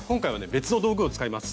別の道具を使います。